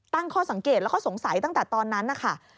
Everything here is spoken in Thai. ตั้งข้อสังเกตแล้วก็สงสัยตั้งแต่ตอนนั้นนะคะ